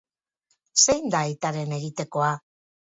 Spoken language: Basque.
Zein da aitaren egitekoa?